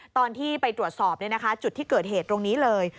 ตอนที่ไปตรวจสอบจุดที่เกิดเหตุตรงนี้เลย